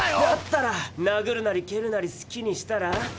だったらなぐるなりけるなり好きにしたら。